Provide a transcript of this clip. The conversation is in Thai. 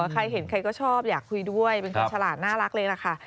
ใครเห็นใครก็ชอบอยากคุยด้วยเป็นคนฉลาดน่ารักเลยล่ะค่ะ